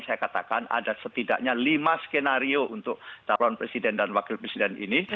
saya katakan ada setidaknya lima skenario untuk calon presiden dan wakil presiden ini